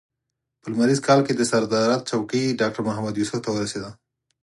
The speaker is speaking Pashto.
په لمریز کال کې د صدارت څوکۍ ډاکټر محمد یوسف ته ورسېده.